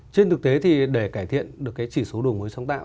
trên thực tế thì để cải thiện được cái chỉ số đổi mới sáng tạo